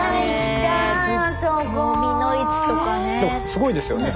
すごいですよね。